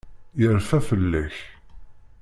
Yerfa fell-ak.